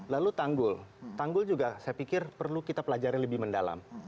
lalu tanggul tanggul juga saya pikir perlu kita pelajari lebih mendalam